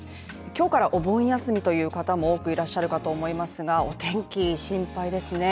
今日からお盆休みという方も多くいらっしゃるかと思いますが、お天気、心配ですね。